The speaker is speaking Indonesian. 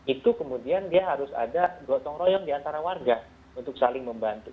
itu kemudian dia harus ada gotong royong diantara warga untuk saling membantu